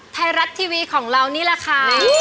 ไทยรัฐทีวีของเรานี่แหละค่ะ